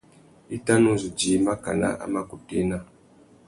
I tà nu zu djï makana a mà kutu ena.